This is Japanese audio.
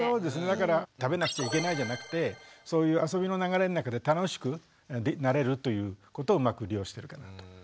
だから食べなくちゃいけないじゃなくてそういう遊びの流れの中で楽しくなれるということをうまく利用してるかなと思ってますけど。